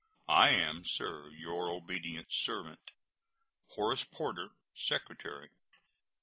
I am, sir, your obedient servant, HORACE PORTER, Secretary.